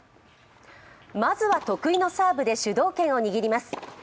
まずは得意のサーブで主導権を握ります。